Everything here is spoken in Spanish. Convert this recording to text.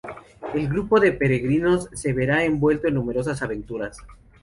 El grupo de peregrinos se verá envuelto en numerosas aventuras.